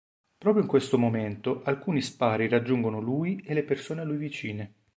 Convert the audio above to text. Proprio in questo momento, alcuni spari raggiungono lui e le persone a lui vicine.